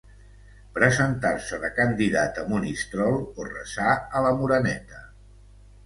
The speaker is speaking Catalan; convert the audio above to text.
presentar-se de candidat a Monistrol o resar a la Moreneta